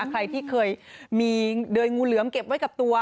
ใครที่เคยมีเดยงูเหลือมเก็บไว้กับตัว